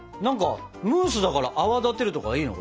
ムースだから泡立てるとかいいの？